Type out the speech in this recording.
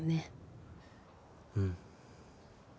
うん。